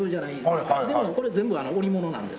でもこれ全部織物なんです。